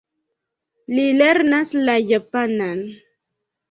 Li lernas la japanan.